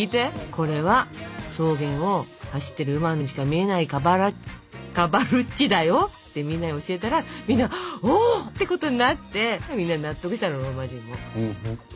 これは草原を走ってる馬にしか見えないカバルッチだよってみんなに教えたらみんな「お！」ってことになってみんな納得したのローマ人も。